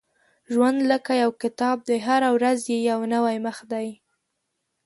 • ژوند لکه یو کتاب دی، هره ورځ یې یو نوی مخ دی.